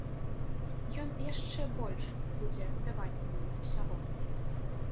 Ён яшчэ больш будзе даваць мне ўсяго.